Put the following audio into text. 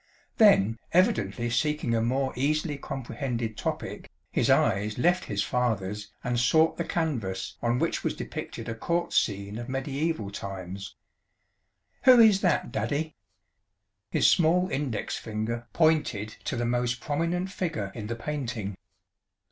Then, evidently seeking a more easily comprehended topic, his eyes left his father's and sought the canvas on which was depicted a court scene of mediaeval times. "Who is that, Daddy?" His small index finger pointed to the most prominent figure in the painting.